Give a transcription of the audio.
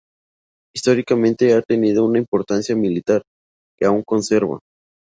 Históricamente ha tenido una importancia militar, que aún conserva.